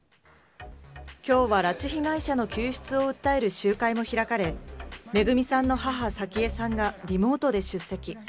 きょうは、拉致被害者の救出を訴える集会も開かれ、めぐみさんの母、早紀江さんがリモートで出席。